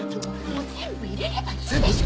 もう全部入れればいいでしょ！